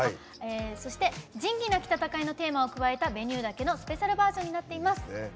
そして「仁義なき戦い」のテーマを加えた「Ｖｅｎｕｅ」だけのスペシャルバージョンになっています。